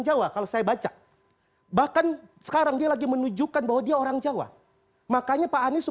jawa kalau saya baca bahkan sekarang dia lagi menunjukkan bahwa dia orang jawa makanya pak anies